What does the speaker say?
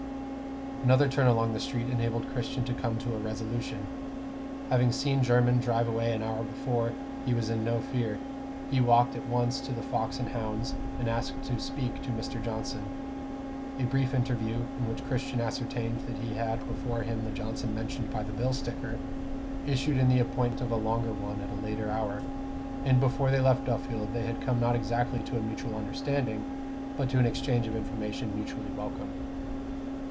Another turn along the street enabled Christian to come to a resolution. Having seen Jermyn drive away an hour before, he was in no fear: he walked at once to the Fox and Hounds and asked to speak to Mr. Johnson. A brief interview, in which Christian ascertained that he had before him the Johnson mentioned by the bill sticker, issued in the appointment of a longer one at a later hour; and before they left Duffield they had come not exactly to a mutual understanding, but to an exchange of information mutually welcome.